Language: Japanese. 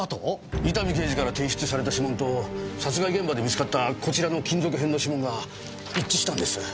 伊丹刑事から提出された指紋と殺害現場で見つかったこちらの金属片の指紋が一致したんです。